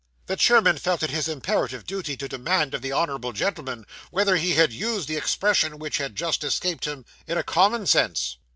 'The CHAIRMAN felt it his imperative duty to demand of the honourable gentleman, whether he had used the expression which had just escaped him in a common sense.